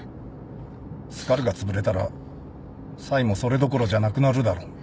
スカルがつぶれたらサイもそれどころじゃなくなるだろ